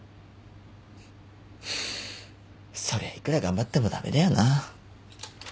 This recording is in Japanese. そりゃいくら頑張っても駄目だよな。